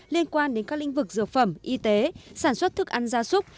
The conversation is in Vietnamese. liên quan đến các lĩnh vực dược phẩm y tế sản xuất thức ăn gia súc